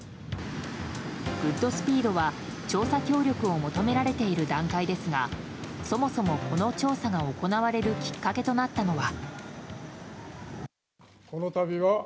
グッドスピードは、調査協力を求められている段階ですがそもそも、この調査が行われるきっかけとなったのは。